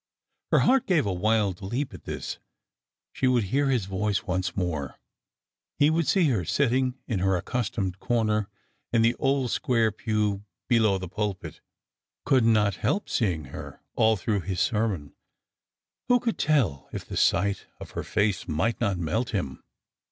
" Her heart gave a wild leap at this. She would hear his voice once more. He would see her sitting in her accustomed corner in the old square pew below the pulpit — could not help seeing her all through his sermon ; who could tell if the sight of her face might not melt him